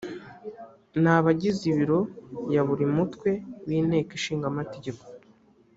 ni abagize biro ya buri mutwe w’inteko ishingamategeko